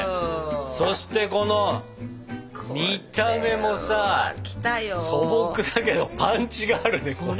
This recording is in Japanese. そしてこの見た目もさ素朴だけどパンチがあるねこれ。